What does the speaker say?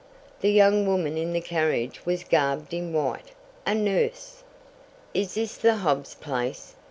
The young woman in the carriage was garbed in white a nurse. "Is this the Hobb's place?"